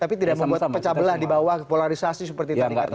tapi tidak membuat pecah belah di bawah polarisasi seperti tadi katakan